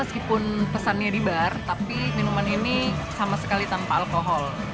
meskipun pesannya di bar tapi minuman ini sama sekali tanpa alkohol